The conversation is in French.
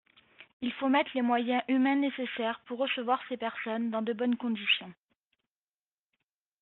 Il faut mettre les moyens humains nécessaires pour recevoir ces personnes dans de bonnes conditions.